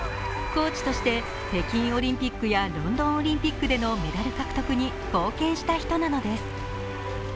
コーチとして北京オリンピックやロンドンオリンピックでのメダル獲得に貢献した人なのです。